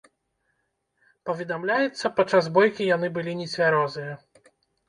Паведамляецца, падчас бойкі яны былі нецвярозыя.